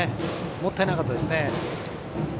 もったいなかったですね。